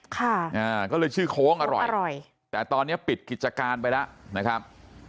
ค่ะอ่าก็เลยชื่อโค้งอร่อยอร่อยแต่ตอนนี้ปิดกิจการไปแล้วนะครับ